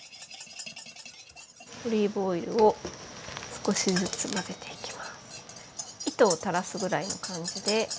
オリーブオイルを少しずつ混ぜていきます。